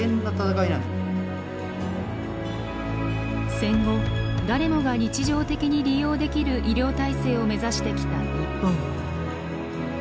戦後誰もが日常的に利用できる医療体制を目指してきた日本。